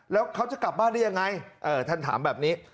แล้วเขาจะกลับบ้านได้ยังไงท่านถามแบบนี้